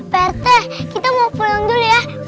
pak rt kita mau pulang dulu ya